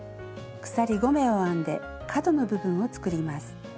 鎖５目を編んで角の部分を作ります。